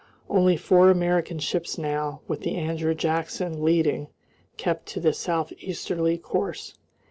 Only four American ships now, with the Andrew Jackson leading, kept to the south easterly course.